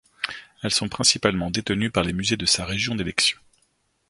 Elles sont principalement détenues par les musées de sa région d'élection.